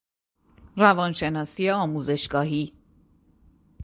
روان شناسی آموزشگاهی